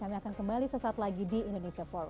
kami akan kembali sesaat lagi di indonesia forward